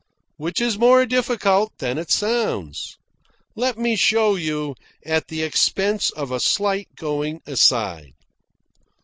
Which is more difficult than it sounds. Let me show you, at the expense of a slight going aside.